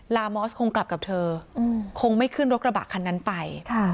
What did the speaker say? ลามอสคงกลับกับเธอคงไม่ขึ้นรถกระบะคันนั้นไป